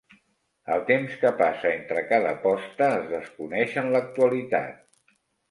El temps que passa entre cada posta es desconeix en l'actualitat.